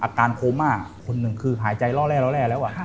อาการโคม่าคนหนึ่งคือหายใจเล่าแล้ว